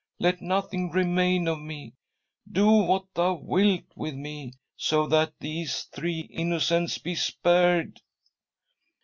Let nothing remain of me: Do what Thou wilt with me, so that these three innocents be spared."